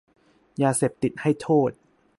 ยาเสพติดให้โทษ